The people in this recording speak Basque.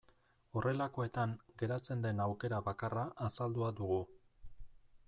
Horrelakoetan geratzen den aukera bakarra azaldua dugu.